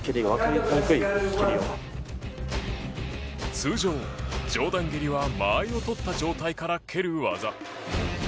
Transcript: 通常、上段蹴りは間合いを取った状態から蹴る技。